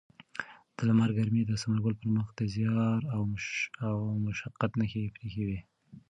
د لمر ګرمۍ د ثمرګل پر مخ د زیار او مشقت نښې پرېښې وې.